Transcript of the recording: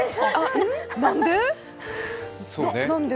何で？